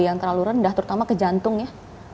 yang terlalu rendah terutama ke jantung ya